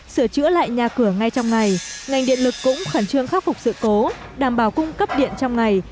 sửa chữa lại nhà cửa ngay trong ngày ngành điện lực cũng khẩn trương khắc phục sự cố đảm bảo cung cấp điện trong ngày